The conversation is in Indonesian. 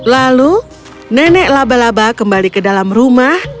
lalu nenek labalaba kembali ke dalam rumah